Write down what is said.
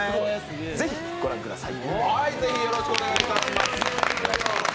ぜひご覧ください。